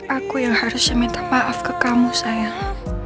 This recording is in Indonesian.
aku yang harusnya minta maaf ke kamu sayang